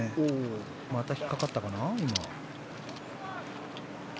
また引っかかったかな？